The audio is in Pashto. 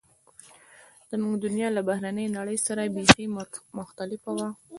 زموږ دنیا له بهرنۍ نړۍ سره بیخي مختلفه وه